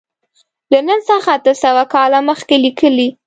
له نن څخه اته سوه کاله مخکې لیکلی.